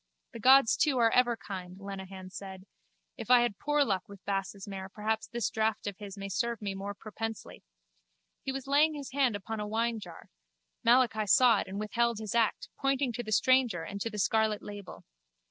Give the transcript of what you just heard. The gods too are ever kind, Lenehan said. If I had poor luck with Bass's mare perhaps this draught of his may serve me more propensely. He was laying his hand upon a winejar: Malachi saw it and withheld his act, pointing to the stranger and to the scarlet label.